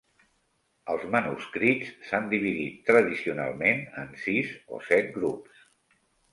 Els manuscrits s'han dividit tradicionalment en sis o set grups.